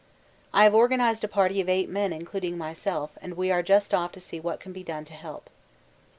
I have organised a party of eight men including myself, and we are just off to see what can be done to help.